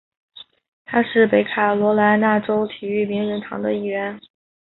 他是北卡罗来纳州体育名人堂的一员。